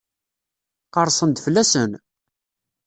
Qerrsen-d fell-asen?